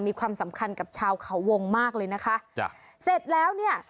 มีความสำคัญกับชาวเขาวงมากเลยนะคะจ้ะเสร็จแล้วเนี่ย